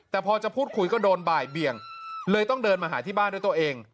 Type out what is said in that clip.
แต่พอจะพูดคุยก็โดนบ่ายเบียงเลยต้องเดินมาหาที่บ้านด้วยตัวเอง